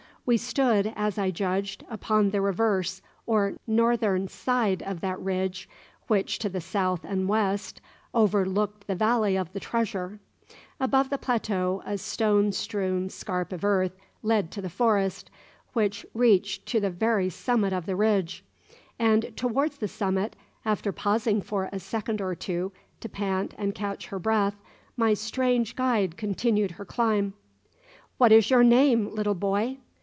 We stood, as I judged, upon the reverse or northern side of that ridge which to the south and west overlooked the valley of the treasure. Above the plateau a stone strewn scarp of earth led to the forest, which reached to the very summit of the ridge; and towards the summit, after pausing for a second or two to pant and catch her breath, my strange guide continued her climb. "What is your name, little boy?"